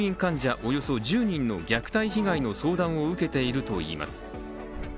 およそ１０人の虐待被害の相談を受けているといいます。